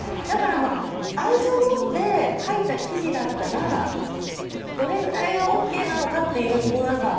だから、愛情を持って書いた記事だったらどれぐらいＯＫなのかっていう。